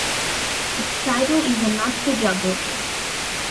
Its title is a nod to Jugoton.